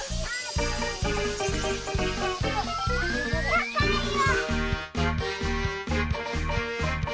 たかいよ！